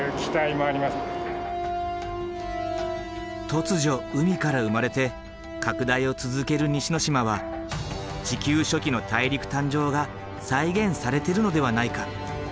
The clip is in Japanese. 突如海から生まれて拡大を続ける西之島は地球初期の大陸誕生が再現されてるのではないか。